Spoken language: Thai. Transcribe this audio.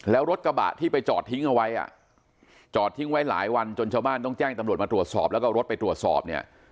แล้วรถกระบะที่ไปจอดทิ้งเอาไว้อ่ะจอดทิ้งไว้หลายวันจนชาวบ้านต้องแจ้งตำรวจมาตรวจสอบแล้วก็รถไปตรวจสอบเนี่ย